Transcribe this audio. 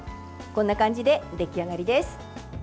こんな感じで出来上がりです。